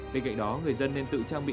bên cạnh đó người dân nên tự trang bị